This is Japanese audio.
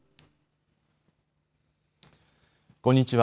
こんにちは。